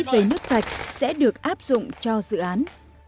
về nước sạch sẽ được áp dụng cho dự án